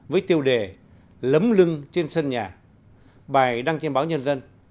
với tiêu đề lấm lưng trên sân nhà bài đăng trên báo nhân dân